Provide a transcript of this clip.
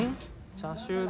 チャーシュー丼。